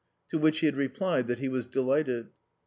To which he had replied that he was delighted.